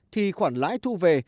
thì khoản lãi thu về